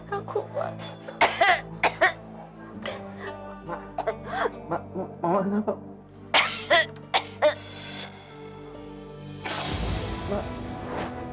amang kamu tidak bisa menangkan saya seperti ini